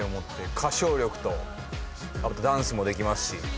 歌唱力とあとダンスもできますし。